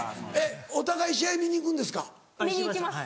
お互い試合見に行くんですか？